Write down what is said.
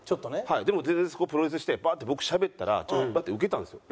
全然そこプロレスしてバーッて僕しゃべったらバッてウケたんですよ。